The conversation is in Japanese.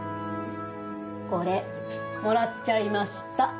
これ、もらっちゃいました。